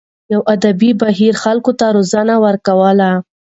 یوه ادبي بهیر خلکو ته روزنه ورکوله.